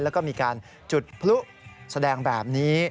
แล้วก็มีการจุดพลุแสดงแบบนี้